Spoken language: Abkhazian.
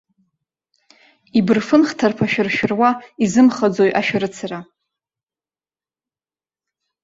Ибырфын хҭарԥа шәыршәыруа, изымхаӡои ашәарыцара!